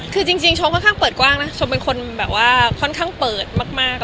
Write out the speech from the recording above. คือจริงชมค่อนข้างเปิดกว้างนะชมเป็นคนแบบว่าค่อนข้างเปิดมาก